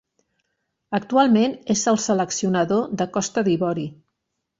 Actualment és el seleccionador de Costa d'Ivori.